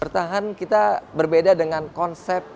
bertahan kita berbeda dengan konsep